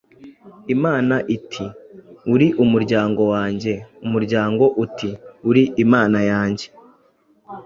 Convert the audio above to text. Imana iti:”Uri umuryango wanjye”, umuryango uti:” Uri Imana yanjye”